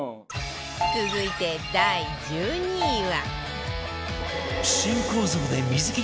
続いて第１２位は